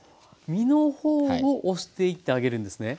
身の方を押していってあげるんですね。